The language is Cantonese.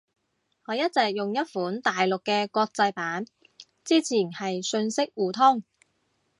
我一直用一款大陸嘅國際版。之前係信息互通